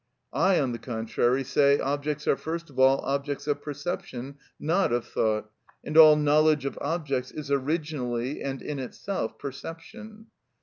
I, on the contrary, say: Objects are first of all objects of perception, not of thought, and all knowledge of objects is originally and in itself perception.